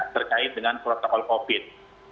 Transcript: terkait dengan protokol covid